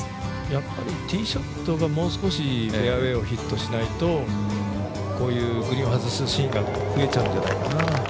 やっぱりティーショットがもう少しフェアウエーをヒットしないとこういうグリーンを外すシーンが増えちゃうんじゃないかな。